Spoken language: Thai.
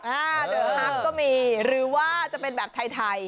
เดอร์ฮักก็มีหรือว่าจะเป็นแบบไทย